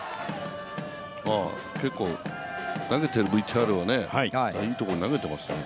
投げているＶＴＲはいいところに投げていますね。